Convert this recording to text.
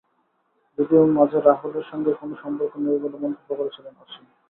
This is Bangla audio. যদিও মাঝে রাহুলের সঙ্গে কোনো সম্পর্ক নেই বলে মন্তব্য করেছিলেন অসিন।